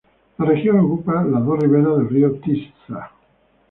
La región ocupa las dos riberas del río Tisza.